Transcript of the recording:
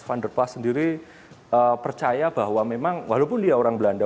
van der plas sendiri percaya bahwa memang walaupun dia orang belanda